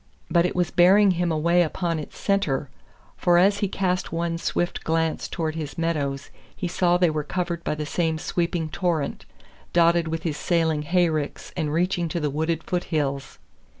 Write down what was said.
But it was bearing him away upon its center, for as he cast one swift glance toward his meadows he saw they were covered by the same sweeping torrent, dotted with his sailing hayricks and reaching to the wooded foothills.